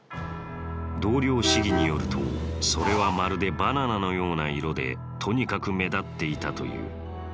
同僚市議によると、それはまるでバナナのような色でとにかく目立っていたという。